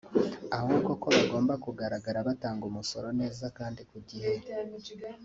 ahubwo ko banagomba kugaragara batanga umusoro neza kandi ku gihe